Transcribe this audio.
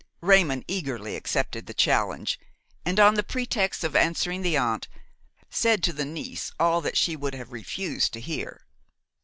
Raymon eagerly accepted the challenge, and, on the pretext of answering the aunt, said to the niece all that she would have refused to hear.